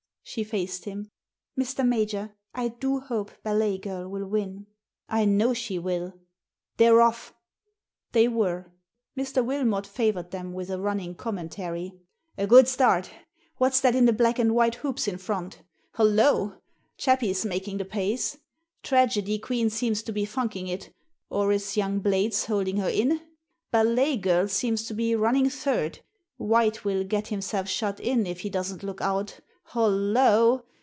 She faced him. " Mr. Major, I do hope Ballet Girl will win." I know she will." « They're off!" They were. Mr. Wilmot favoured them with a running commentary. "A good start I Whafs that in the black and white hoops in front? Hollo! Chappie's making the pace. Tragedy Queen seems to be funking it, or is young Blades holding her in? Ballet Girl seems to be running third. White will get himself shut in if he doesn't look out Hollo!